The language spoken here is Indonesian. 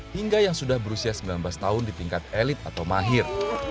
hingga yang sudah berusia sembilan belas tahun di tingkat elit atau mahir